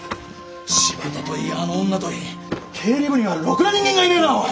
新発田といいあの女といい経理部にはろくな人間がいねえなおい！